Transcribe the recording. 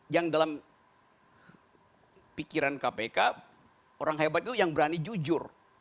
yang dalam pikiran kpk orang hebat itu yang berani jujur